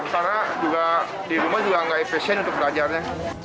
karena di rumah juga nggak efisien untuk belajarnya